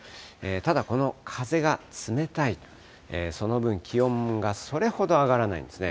ただ、この風が冷たい、その分、気温がそれほど上がらないんですね。